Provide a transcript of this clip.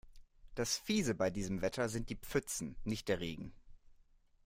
Das Fiese bei diesem Wetter sind die Pfützen, nicht der Regen.